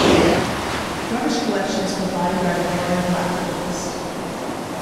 Rubbish collection is provided by Warren Blackwood Waste.